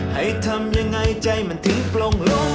ให้ทำยังไงใจมันถึงปลง